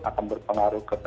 akan berpengaruh ke pendapatan